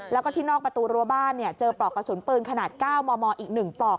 แล้วก็ที่นอกประตูรั้วบ้านเจอปลอกกระสุนปืนขนาด๙มมอีก๑ปลอก